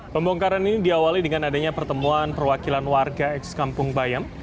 pembongkaran ini diawali dengan adanya pertemuan perwakilan warga ex kampung bayam